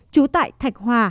chú tại thạch hòa